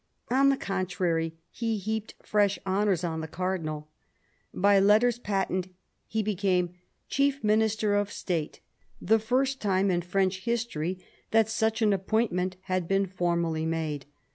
On the contrary, he heaped fresh honours on the Cardinal. By letters patent he became " chief Minister of State," the first time in French history that such an appointment had been formally made.